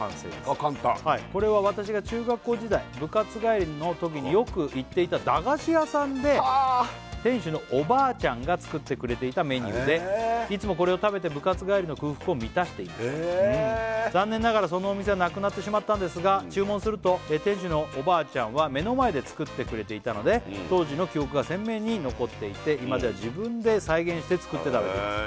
あ簡単これは私が中学校時代部活帰りのときによく行っていた駄菓子屋さんで店主のおばあちゃんが作ってくれていたメニューでいつもこれを食べて部活帰りの空腹を満たしていました残念ながらそのお店はなくなってしまったんですが注文すると店主のおばあちゃんは目の前で作ってくれていたので当時の記憶が鮮明に残っていて今では自分で再現して作って食べています